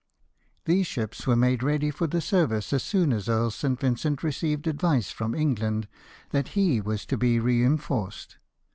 These ships were made ready for the service as soon as Earl St. Vincent received advice from England that he was to be reinforced.